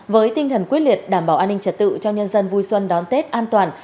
với tinh thần quyết liệt đảm bảo an ninh trật tự cho nhân dân vui xuân đón tết an toàn